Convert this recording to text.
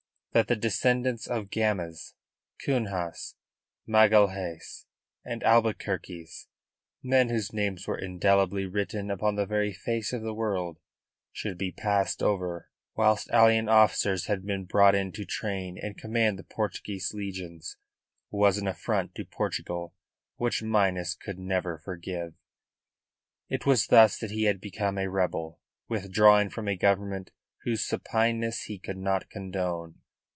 That the descendants of Gamas, Cunhas, Magalhaes and Albuquerques men whose names were indelibly written upon the very face of the world should be passed over, whilst alien officers lead been brought in to train and command the Portuguese legions, was an affront to Portugal which Minas could never forgive. It was thus that he had become a rebel, withdrawing from a government whose supineness he could not condone.